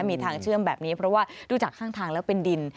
มีทางเชื่อมแบบนี้เพราะว่าดูจากข้างทางแล้วเป็นดิน